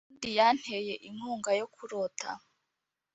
kandi yanteye inkunga yo kurota.